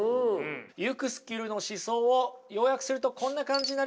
ユクスキュルの思想を要約するとこんな感じになります。